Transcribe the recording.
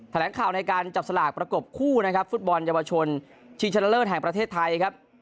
แถลงข่าวในการจับสลากประกบคู่นะครับฟุตบอลเยาวชนชิงชนะเลิศแห่งประเทศไทยครับ